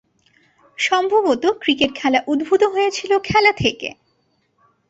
সম্ভবত ক্রিকেট খেলা উদ্ভূত হয়েছিলো খেলা থেকে।